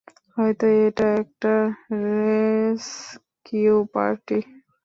হয়তো এটা একটা রেসকিউ পার্টি।